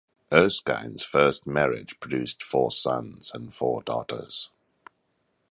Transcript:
Erskine's first marriage produced four sons and four daughters.